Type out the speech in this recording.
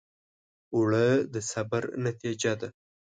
اوړه د صبر نتیجه ده